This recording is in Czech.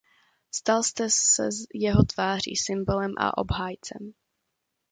Stal jste se jeho tváří, symbolem a obhájcem.